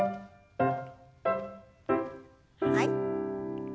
はい。